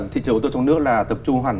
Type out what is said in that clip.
thị trường ô tô trong nước là tập trung hoàn